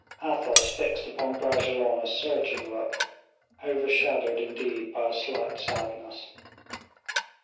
Athos fixed upon Bragelonne a searching look, overshadowed indeed by a slight sadness.